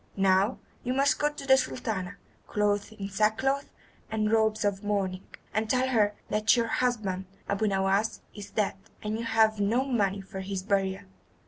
Now you must go to the Sultana, clothed in sackcloth and robes of mourning, and tell her that your husband, Abu Nowas, is dead, and you have no money for his burial.